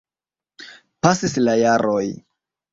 Pasis la jaroj.